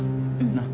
なっ。